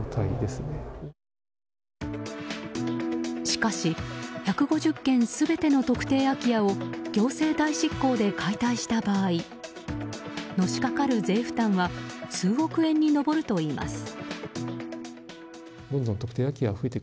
しかし１５０軒全ての特定空き家を行政代執行で解体した場合のしかかる税負担は数億円に上るといいます。